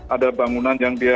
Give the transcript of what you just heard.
ada bangunan yang dia